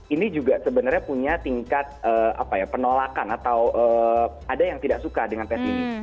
ini juga sebenarnya punya tingkat penolakan atau ada yang tidak suka dengan tes ini